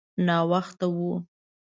ناوخته و.